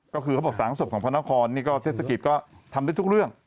ก็คือเขาบอกสางศพของพระนครนี่ก็เทศกิจก็ทำได้ทุกเรื่อง